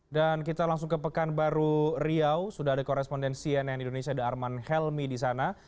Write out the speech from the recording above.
dan kita langsung ke pekanbaru riau sudah ada korespondensi cnn indonesia ada arman helmi di sana